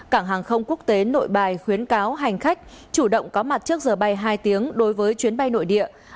cảng hàng không quốc tế nội bài khuyến cáo hành khách chủ động có mặt trước giờ bay hai tiếng đối với chuyến bay nội địa